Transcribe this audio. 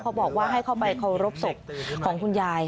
เขาบอกว่าให้เข้าไปเคารพศพของคุณยาย